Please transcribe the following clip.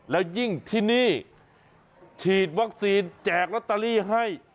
แล้วยิ่งที่นี่ฉีดวัคซีนแจกลอตเตอรี่ให้